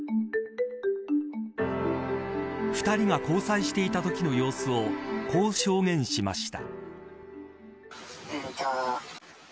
２人が交際していたときの様子をこう証言しました。